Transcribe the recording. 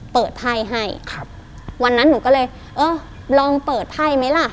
ไพ่ให้ครับวันนั้นหนูก็เลยเออลองเปิดไพ่ไหมล่ะ